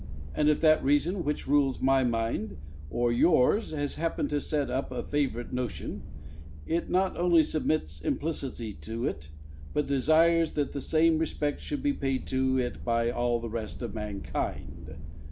And if that reason which rules my mind or yours has happened to set up a favourite notion, it not only submits implicitly to it, but desires that the same respect should be paid to it by all the rest of mankind.